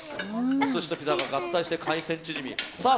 お寿司とピザが合体して海鮮チヂミ。